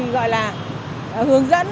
gọi là hướng dẫn